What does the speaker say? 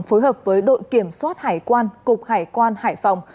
phối hợp với đội kiểm soát hải quan cục hải quan hải phòng